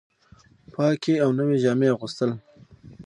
پاکې او نوې جامې اغوستل